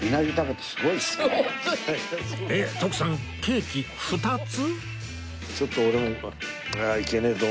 えっ徳さんケーキ２つ？